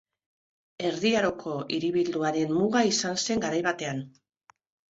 Erdi Aroko hiribilduaren muga izan zen garai batean.